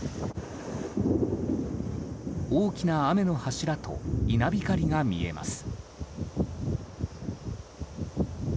大きな雨の柱と稲光が見えます。